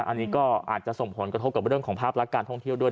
อันนี้ก็อาจจะส่งผลกระทบกับเรื่องของภาพลักษณ์การท่องเที่ยวด้วย